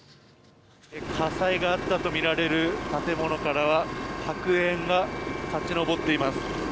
火災があったとみられる建物からは白煙が立ち上っています。